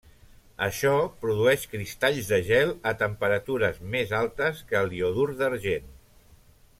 Això produeix cristalls de gel a temperatures més altes que el iodur d'argent.